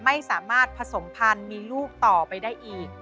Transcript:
ไม่สามารถผสมพันธุ์มีลูกต่อไปได้อีก